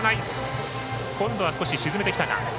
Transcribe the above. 今度は沈めてきたか。